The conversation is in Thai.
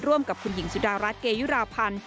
ร่วมกับคุณหญิงสุดารัฐเกยุราพันธ์